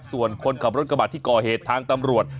ส่วนคนขับรถกระบาดที่ก่อเหตุทางตำรวจ